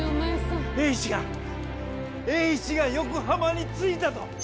栄一が栄一が横浜に着いたと！